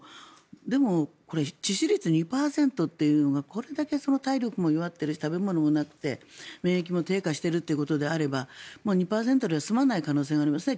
でも致死率２％というのがこれだけ体力も弱っているし食べ物もなくて免疫も低下しているということであれば２％では済まない可能性がありますよね。